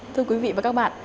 thưa quý vị và các bạn